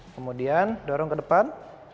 kemudian dorong ke depan